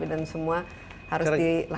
dan semua harus dilakukan dengan